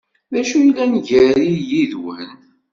D acu yellan gar-i yid-wen?